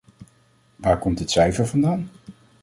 Waar komt dit cijfer vandaan?